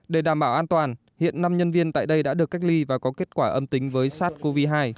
để đảm bảo an toàn hiện năm nhân viên tại đây đã được cách ly và có kết quả âm tính với sars cov hai